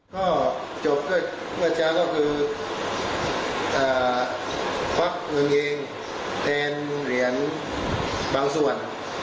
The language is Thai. ข้อจบเมื่อเจ้าก็คือเอ่อฟักเงินเองแทนเหรียญบางส่วน